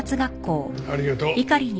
ありがとう。